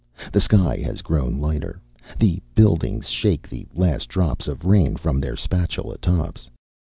The sky has grown lighter. The buildings shake the last drops of rain from their spatula tops.